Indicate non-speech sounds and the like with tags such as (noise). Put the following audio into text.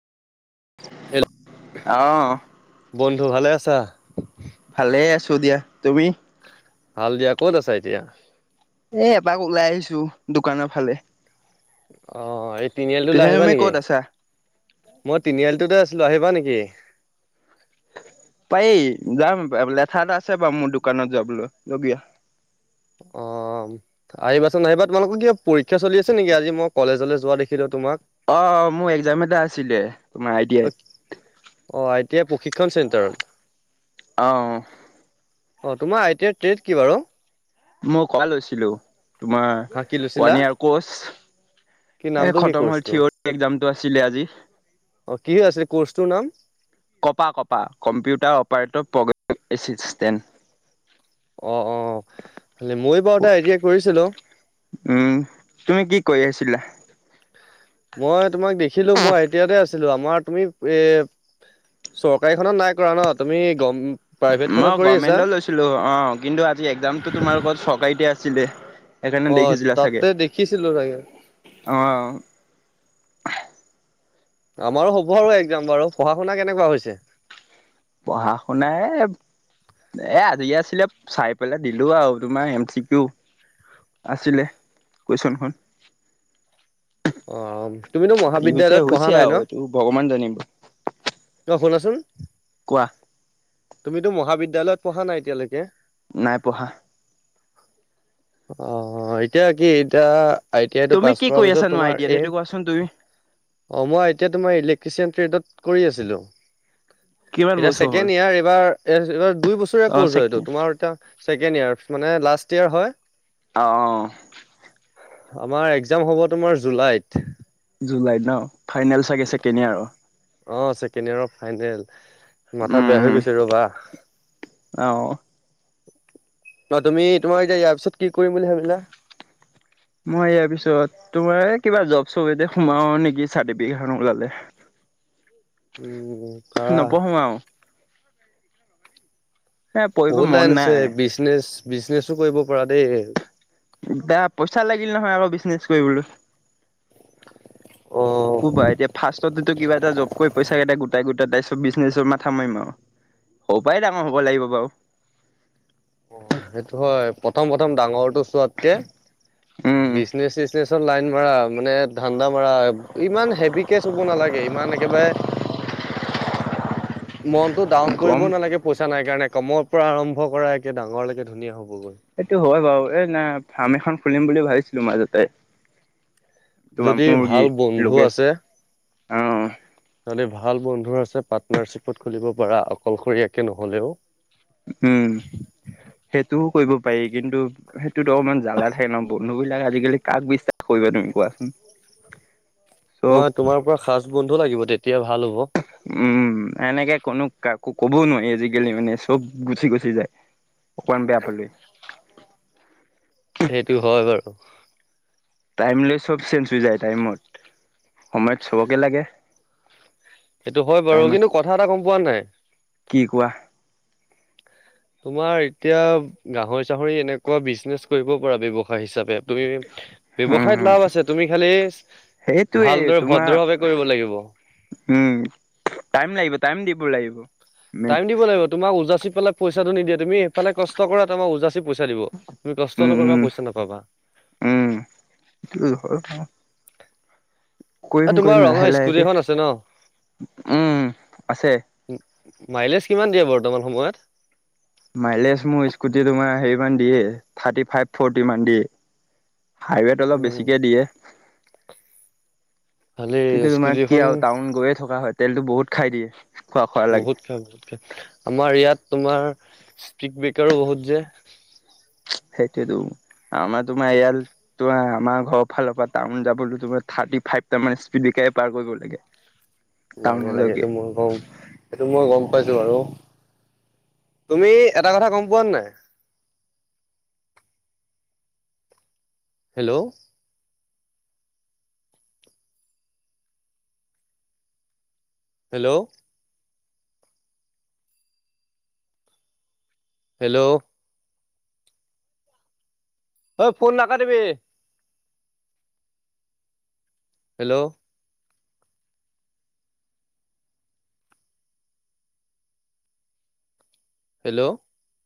Hello অ। বন্ধু ভালে আছা? ভালে আছোঁ দিয়া তুমি ভাল দিয়া ক'ত আছা এতিয়া এ এপাক ওলাই আহিছো দোকানৰ ফালে অ' এই তিনিআলিটোলে পিছে আহিবা তুমি নেকি ক'ত আছা মই তিনিআলিটোতে আছিলো আহিবা নেকি পাৰি যাম লেঠা এটা আছে বাৰু মোৰ দোকানত যাবলৈ লগীয়া অ' আহিবাচোন আহিবা তোমালোকৰ কিবা পৰীক্ষা চলি আছে নেকি আজি মই কলেজলৈ যোৱা দেখিলো তোমাক অ' মোৰ একজাম এটা আছিলে তোমাৰ আই টি অ' আই টি আই প্ৰশিক্ষণ চেণ্টাৰত আইত অ' অ' তোমাৰ আই টি আইত ট্ৰেড কি বাৰু মই কপা লৈছিলো তোমাৰ হা কি লৈছিলা? ওৱান ইয়াৰ কি কৰ্চ নামটো এ কি খতম হ'ল কৰ্চটোৰ? থিয়ৰি একজামটো আছিলে আজি অ' কি আছিলে কোৰ্চটোৰ নাম কপা কপা কম্পিউটাৰ অপাৰেটৰ প্ৰগ্ৰেমিং এচিষ্টেণ্ট অ অ' খালি মই বাৰু এটা আইডিয়া কৰিছিলোঁ উম তুমি কি কৰি আছিলা মই তোমাক দেখিলো মই আই টি আইতে আছিলো আমাৰ তুমি এ চৰকাৰী খনত নাই কৰা ন তুমি গভ প্ৰাইভেট খনত কৰি আছা ছিলো কিন্তু আজি একজামটো তোমালোকৰ চৰকাৰীতে আছিলে সেইকাৰণে অ' তাতে দেখিছিলো চাগে অ' অ আমাৰো হ'ব আৰু একজাম বাৰু পঢ়া শুনা কেনেকুৱা হৈছে পঢ়া শুনা এ এ আজি আছিলে চাই পেলাই দিলো আৰু তোমাৰ এম চি কিও আছিলে কুৱেশ্যনখন অ' তুমিতো যি হৈছে মহাবিদ্যালয়ত পঢ়া হৈছে নাই ন আৰু এইটো ভগৱান জানিব অ' শুনাচোন কোৱা তুমিতো মহাবিদ্যালয়ত পঢ়া নাই এতিয়ালৈকে নাই পঢ়া অ' এতিয়া কি এতিয়া আই টি আই টো তুমি পাছ কি কৰাৰ কৰি পিছত আছানো তোমাৰ আইডিয়াত এই সেইটো কোৱাচোন তুমি অ' মই এতিয়া তোমাৰ ইলেক্ট্ৰিচিয়ান ট্ৰেডত কৰি আছিলোঁ কিমান এতিয়া বছৰ হ'ল ছেকেণ্ড ইয়াৰ এইবাৰ এইবাৰ দুই বছৰীয়া অ', কৰ্ছ চেক হয় এইটো তোমাৰ এতিয়া ছেকেণ্ড ইয়াৰ মানে লাষ্ট ইয়াৰ হয় অ' অ আমাৰ একজাম হ'ব তোমাৰ জুলাইত জুলাইত ন ফাইনেল চাগে চেকেণ্ড ইয়েৰৰ অ' ছেকেণ্ড ইয়েৰৰ ফাইনেল মাথা বেয়া উম, হৈ গৈছে ৰবা অ', অ' তুমি তোমাৰ এতিয়া ইয়াৰ পিছত কি কৰিম বুলি ভাবিলা মই ইয়াৰ পিছত তোমাৰ এ কিবা জব চবতে সোমাও নেকি চাৰ্টিফিকেটখন ওলালে উম পাৰা নপঢ়ো আৰু এ পঢ়িব বহুত মন লাইন আছে, নাই। বিজনেছ, বিজনেছো কৰিব পৰা দেই। তা পইচা লাগিল নহয়, আকৌ বিজনেচ কৰিবলৈ। অ কবা এতিয়া। ফাষ্টটেটো কিবা এটা জব কৰি, পইচা কেইটা গোটাই গোটাই তাৰপিছত বিজনেছৰ মাথা মাৰিম আও। সৰু পাই ডাঙৰ হ'ব লাগিব বাও। অ' সেইটো হয়, প্ৰথম, প্ৰথম ডাঙৰটো চোৱাতকে, উম। বিজনেচ চিজনেচ। তাৰপিছত লাইন মাৰা, মানে ধানদা মাৰা, ইমান হেভিকে চুব নালাগে ইমান একেবাৰে। (inaudible) মনটো ডাউন গম কৰিবও নালাগে, পইচা নাই কাৰণে, কমৰ পৰা আৰম্ভ কৰা। ডাঙৰলেকে ধুনীয়া হ'বগৈ। সেইটো হয় বাও, এ না ফাৰ্ম এখন খুলিম বুলি ভাবিছিলো মাজতে। তোমাৰ যদি মূৰ্গী, ভাল বন্ধু লোকেল আছে আহ। যদি ভাল বন্ধু আছে, পাৰ্টনাৰশ্বিপত খুলিব পাৰা, অকলশৰীয়াকে নহলেওঁ। উম' সেইটোও কৰিব পাৰি, কিন্তু সেইটোত অকপমান জ্বালা থাকে ন, বন্ধু বিলাক আজিকালি কাক বিশ্বাস কৰিবা তুমি কোৱাচোন? চব অ' তোমাৰ পুৰা খাচ বন্ধু লাগিব, তেতিয়া ভাল হ'ব। উম' এনেকে কোনো কাকো ক'বও নোৱাৰি, আজিকালি মানে চব গুচি, গুচি যায়। অকণমান বেয়া পালি। (unintelligible) সেইটো হয় বাৰু। টাইম লৈ চব চেঞ্জ হৈ যায়। টাইমত, সময়ত চবকে লাগে। সেইটো হয় বাৰু, টাইমত কিন্তু কথা এটা গ'ম পোৱা নাই? কি কোৱা? তোমাৰ এতিয়া গাহৰি চাহৰি এনেকুৱা বিজনেচ কৰিব পাৰা, ব্যয়ৱসায় হিচাপে। তুমি, উম ব্যৱসায়ত হম লাভ আছে, তুমি খালি। সেইটোৱে ভালদৰে তোমাৰ ভদ্ৰ ভাৱে কৰিব লাগিব। উম' টাইম লাগিব, টাইম দিব লাগিব। মেইন টাইম দিব কেছ লাগিব, তোমাক ওদজাচি পেলাই পইচাটো নিদিয়ে, তুমি সেইফালে কষ্ট কৰা, তাপা উজা পইচা দিব, তুমি কষ্ট উম নকৰিবা, উম পইচা নাপাবা। উম' (unintelligible) এ কৰিম, তোমাৰ কৰিম, ৰঙা লাহে, স্কুটি লাহেকে, এখন আছে ন উম' আছে। মাইলেজ কিমান দিয়ে বৰ্তমান সময়ত? মাইলেজ মোৰ স্কুটি তোমাৰ হেৰি মান দিয়ে, থাৰ্টি ফাইভ ফৰটি মান দিয়ে। হাইৱেত অলপ উম বেছিকে দিয়ে। খালি কিন্তু তোমাৰ কি স্কুটিখন আও, টাউন গৈয়ে থকা হয়, তেলতো বহুত খাই দিয়ে। খোৱা খোৱা লাগে বহুত খাই, বহুত খাই, আমাৰ ইয়াত তোমাৰ স্পীড ব্ৰেকাৰো বহুত যে। সেইটোৱেটো। আমাৰ তোমাৰ ইয়াত। তোমাৰ আমাৰ ঘৰৰ ফালৰ পা টাউন যাবলৈ, তোমাৰ থাৰ্টি ফাইভটা মান স্পীড বেকাৰে পাৰ কৰিব লাগে। লাগে, লাগে, টাউনলৈকে সেইটো মইও কওঁ। সেইটো মই গ'ম পাইছো বাৰু। তুমি এটা কথা গ'ম পোৱা নে নাই? হেল্ল'? হেল্ল'? হেল্ল'? অ' ফোন নাকাটিবি। হেল্ল'? হেল্ল'